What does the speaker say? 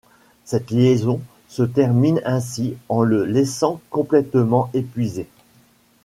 Cette liaison se termine ainsi en le laissant complètement épuisé.